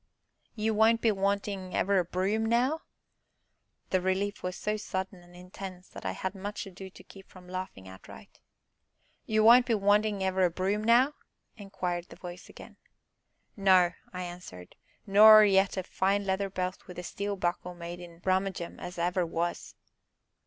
"You won't be wantin' ever a broom, now?" The relief was so sudden and intense that I had much ado to keep from laughing outright. "You won't be wantin' ever a broom, now?" inquired the voice again. "No," I answered, "nor yet a fine leather belt with a steel buckle made in Brummagem as ever was."